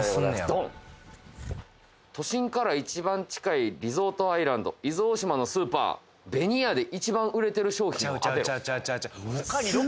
ドン「都心から一番近いリゾートアイランド伊豆大島のスーパー紅屋で一番売れてる商品を当てろ」